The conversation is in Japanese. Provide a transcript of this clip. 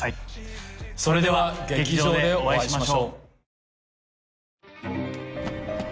それでは劇場でお会いしましょう。